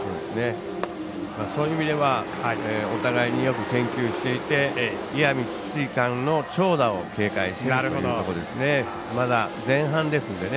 そういう意味ではお互いによく研究していて石見智翠館の長打を警戒しているということですね。